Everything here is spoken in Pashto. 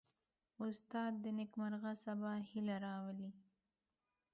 استاد د نیکمرغه سبا هیله راولي.